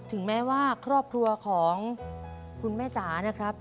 ถึงแม้ว่าครอบครัวของคุณแม่จ๋านะครับ